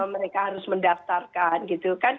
mereka harus mendaftarkan gitu kan